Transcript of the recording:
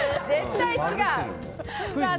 絶対違う。